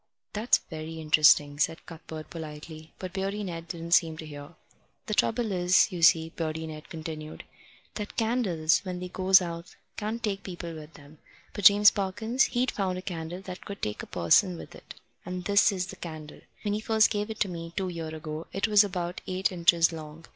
"That's very interesting," said Cuthbert politely, but Beardy Ned didn't seem to hear. "The trouble is, you see," Beardy Ned continued, "that candles, when they goes out, can't take people with them. But James Parkins, he'd found a candle that could take a person with it, and this is the candle. When he first gave it me, two year ago, it was about eight inches long.